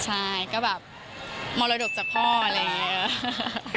ใช่ก็แบบมรดกจากพ่ออะไรอย่างนี้